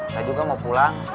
saya juga mau pulang